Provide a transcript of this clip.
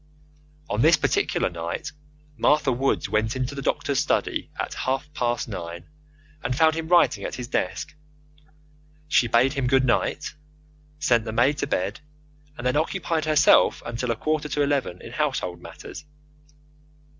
On this particular night Martha Woods went into the doctor's study at half past nine, and found him writing at his desk. She bade him good night, sent the maid to bed, and then occupied herself until a quarter to eleven in household matters.